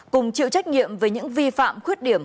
cùng chịu trách nhiệm về những vi phạm khuyết điểm